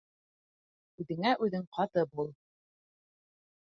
Үҙеңә үҙең каты бул